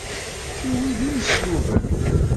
Kenwi d imesluben.